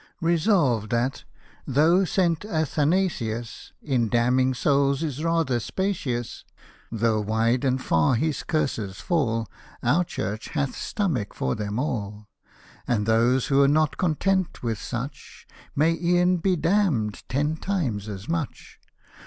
Resolved that, though St. Athanasius In damning souls is rather spacious — Though wide and far his curses fall. Our Church "hath stomach for them all" ; And those who're not content with such, May e'en be d — d ten times as much.